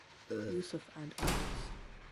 Yusuf and others.